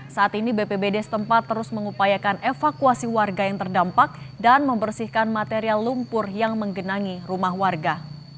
saat ini bpbd setempat terus mengupayakan evakuasi warga yang terdampak dan membersihkan material lumpur yang menggenangi rumah warga